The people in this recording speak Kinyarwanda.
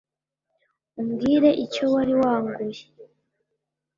umbwire icyo wari wanguye